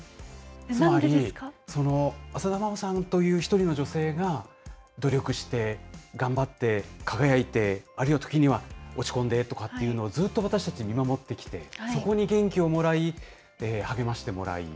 つまり、浅田真央さんという一人の女性が、努力して、頑張って、輝いて、あるいは時には落ち込んでとかっていうのを、ずっと私たち、見守ってきて、そこに元気をもらい、励ましてもらい。